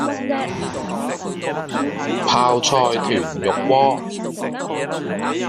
泡菜豚肉鍋